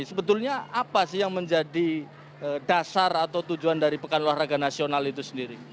sebetulnya apa sih yang menjadi dasar atau tujuan dari pekan olahraga nasional itu sendiri